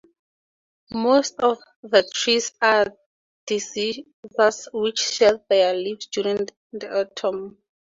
Most of the trees are deciduous, which shed their leaves during the autumn.